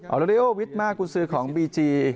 ออโลเลีโอวิทมากคุณซื้อของบีจี